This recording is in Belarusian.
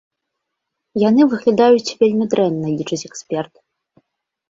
Яны выглядаюць вельмі дрэнна, лічыць эксперт.